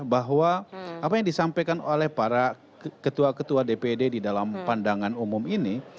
bahwa apa yang disampaikan oleh para ketua ketua dpd di dalam pandangan umum ini